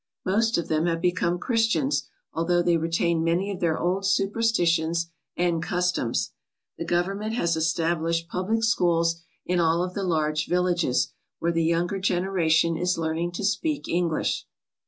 Most of them have become Christians, although they retain many of their old superstitions and customs. The Government has established public schools in all of the large villages, where the younger generation is learning to speak English.